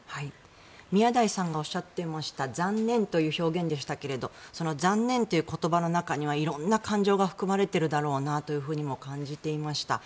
宮台さんがおっしゃっていました残念という表現でしたけど残念という言葉の中には色んな感情が含まれているだろうなとも感じていました。